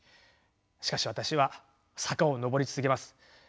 しかし私は坂を上り続けます。